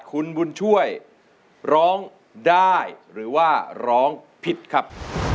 คุณบุญช่วยร้องได้หรือว่าร้องผิดครับ